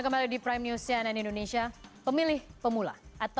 kembali lagi di prime news cnn indonesia